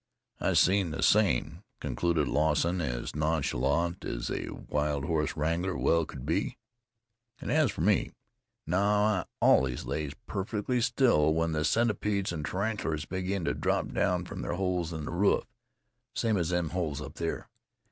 "I seen the same," concluded Lawson, as nonchalant as a wild horse wrangler well could be. "An' as fer me, now I allus lays perfickly still when the centipedes an' tarantulers begin to drop from their holes in the roof, same as them holes up there.